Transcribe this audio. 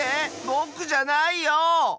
ぼくじゃないよ！